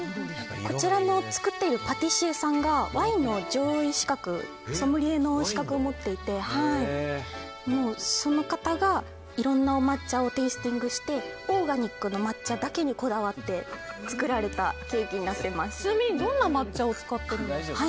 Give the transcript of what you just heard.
こちらを作っているパティシエさんがワインの上位資格ソムリエの資格を持っていてその方がいろんなお抹茶をテイスティングしてオーガニックな抹茶だけにこだわって作られたちなみにどんな抹茶を使ってるんですか？